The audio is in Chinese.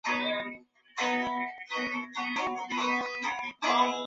嗜铬细胞分泌的血清素最终从组织中出来进入血液中。